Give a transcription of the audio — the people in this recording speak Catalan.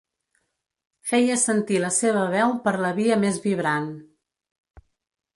Feia sentir la seva veu per la via més vibrant.